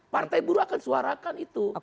partai buruh akan suarakan itu